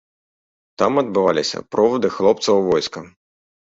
Там адбываліся провады хлопца ў войска.